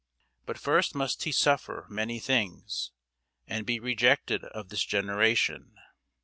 But first must he suffer many things, and be rejected of this generation.